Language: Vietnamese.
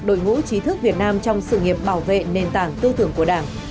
đội ngũ trí thức việt nam trong sự nghiệp bảo vệ nền tảng tư tưởng của đảng